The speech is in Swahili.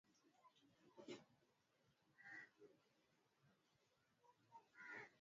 Shirika la kutetea haki za binadamu linaelezea wasiwasi kuhusu kuteswa wafungwa nchini Uganda